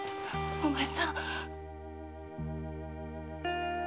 お前さん